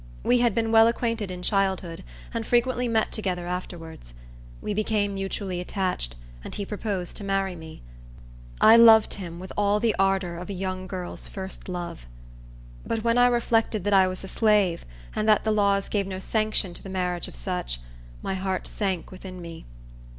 We had been well acquainted in childhood, and frequently met together afterwards. We became mutually attached, and he proposed to marry me. I loved him with all the ardor of a young girl's first love. But when I reflected that I was a slave, and that the laws gave no sanction to the marriage of such, my heart sank within me.